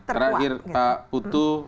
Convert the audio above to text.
terakhir pak putu